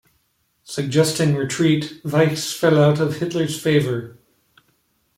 Suggesting retreat, Weichs fell out of Hitler's favor.